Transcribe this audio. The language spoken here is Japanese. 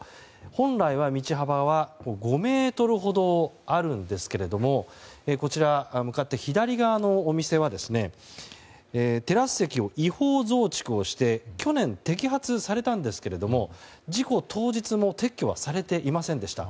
本来は、道幅は５ｍほどあるんですけれども向かって左側のお店はテラス席を違法増築をして去年、摘発されたんですが事故当日も撤去はされていませんでした。